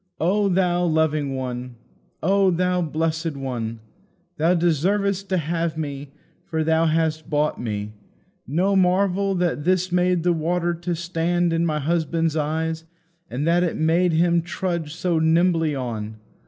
O Thou loving One! O Thou blessed One! Thou deservest to have me, for Thou hast bought me. No marvel that this made the water to stand in my husband's eyes, and that it made him trudge so nimbly on.